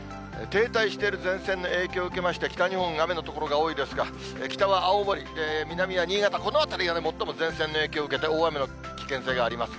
停滞している前線の影響を受けまして、北日本、雨の所が多いですが、北は青森、南は新潟、この辺りが最も前線の影響を受けて、大雨の危険性があります。